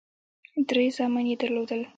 درې زامن یې درلودل.